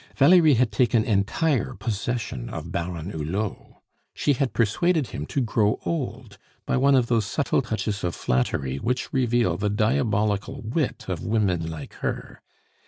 Valerie had taken entire possession of Baron Hulot; she had persuaded him to grow old by one of those subtle touches of flattery which reveal the diabolical wit of women like her.